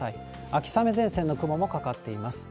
秋雨前線の雲もかかっています。